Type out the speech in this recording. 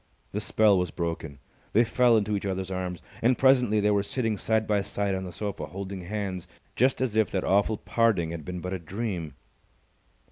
The spell was broken. They fell into each other's arms. And presently they were sitting side by side on the sofa, holding hands, just as if that awful parting had been but a dream.